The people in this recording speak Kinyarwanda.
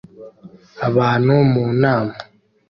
Abantu mu nama